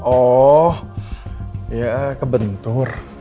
oh ya kebentur